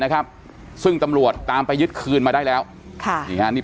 นะครับซึ่งตำรวจตามไปยึดคืนมาได้แล้วค่ะนี่ฮะนี่